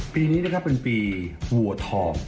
ปีนี้นะครับเป็นปีวัวทอง